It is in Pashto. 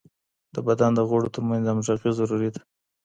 د بدن د غړو ترمنځ همږغي ضروري ده.